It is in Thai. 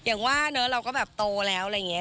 อย่างว่าเนอะเราก็แบบโตแล้วอะไรอย่างนี้